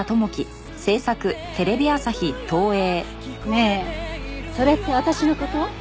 ねえそれって私の事？